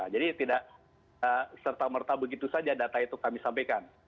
jadi tidak serta merta begitu saja data itu kami sampaikan